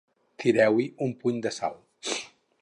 Tireu-hi un puny de sal.